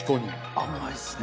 甘いですね。